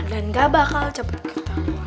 dan gak bakal cepet ketawa